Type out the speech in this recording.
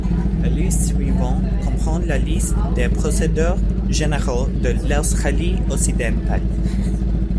La liste suivante comprend la liste des procureurs généraux de l'Australie-Occidentale.